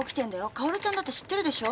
薫ちゃんだって知ってるでしょ？